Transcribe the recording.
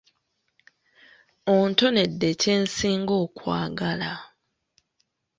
Ontonedde kye nsinga okwagala.